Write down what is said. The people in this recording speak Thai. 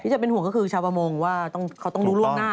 จะเป็นห่วงก็คือชาวประมงว่าเขาต้องรู้ล่วงหน้า